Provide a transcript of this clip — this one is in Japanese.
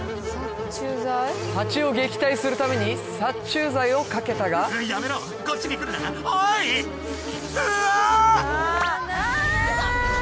ハチを撃退するために殺虫剤をかけたがうわ！